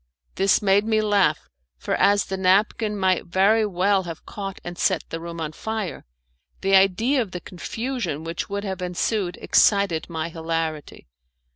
This made me laugh, for as the napkin might very well have caught and set the room on fire, the idea of the confusion which would have ensued excited my hilarity.